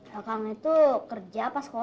wakang itu kerja apa sekolah sih